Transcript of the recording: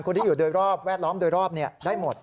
คนที่อยู่โดยรอบแวดล้อมโดยรอบได้หมด